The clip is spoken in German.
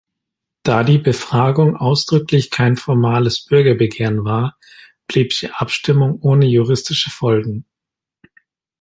Da die Befragung ausdrücklich kein formales Bürgerbegehren war, blieb die Abstimmung ohne juristische Folgen.